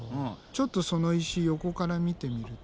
ちょっとその石横から見てみると。